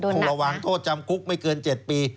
ถูกระวังโทษจำคุกไม่เกิน๗ปี